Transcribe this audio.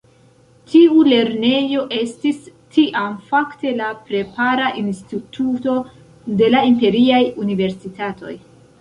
Tiu lernejo estis tiam fakte la prepara instituto de la imperiaj universitatoj.